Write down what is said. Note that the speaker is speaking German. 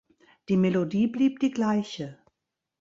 Die Melodie blieb die gleiche.